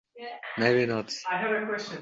Pastda kalitni unutib qoldiribman.